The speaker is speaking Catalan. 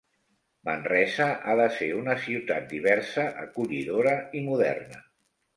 Manresa ha de ser una ciutat diversa, acollidora i moderna.